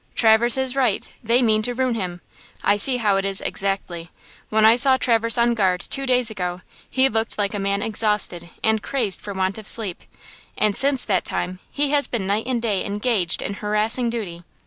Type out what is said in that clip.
"Traverse is right. They mean to ruin him. I see how it is, exactly. When I saw Traverse on guard, two days ago, he looked like a man exhausted and crazed for want of sleep, and since that time he has been night and day engaged in harassing duty.